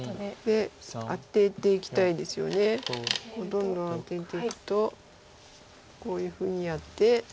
どんどんアテていくとこういうふうにやって。